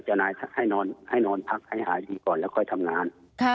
นายให้นอนพักให้หายดีก่อนแล้วค่อยทำงาน